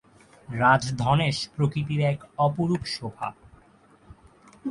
রাজ ধনেশ প্রকৃতির এক অপরূপ শোভা।